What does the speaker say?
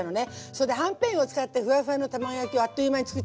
それではんぺんを使ってふわふわの卵焼きをあっという間につくっちゃうっていう。